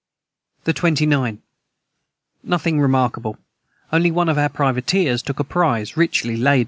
the 29. Nothing remarkable onely one of our Privateers took a prize richly Laden.